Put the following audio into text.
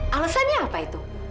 alasannya apa itu